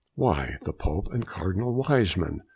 "Why the Pope and Cardinal Wiseman.